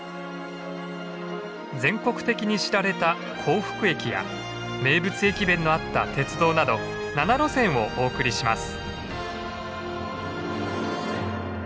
全国的に知られた幸福駅や名物駅弁のあった鉄道など７路線をお送りします。